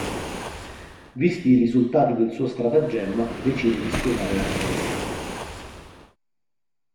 Visti i risultati del suo stratagemma, decide di sposare la cameriera.